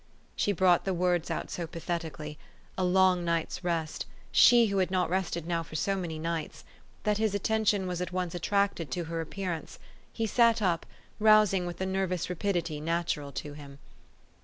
She brought the words out so pathetically, " a long night's rest," she who had not rested now for so many nights, that his atten tion was at once attracted to her appearance. He sat up, rousing with the nervous rapidity natural to him.